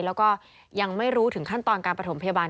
แล้วก็ยังไม่รู้ถึงขั้นตอนการประถมพยาบาล